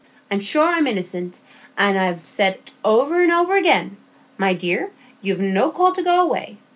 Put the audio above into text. I'm sure I'm innocent. I've said over and over again, 'My dear, you've no call to go away.